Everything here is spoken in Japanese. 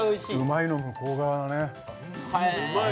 「うまい」の向こう側だね